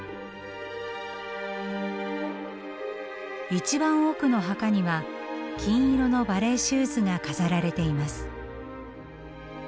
一番奥の墓には金色のバレエシューズが飾られています。